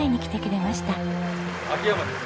秋山です。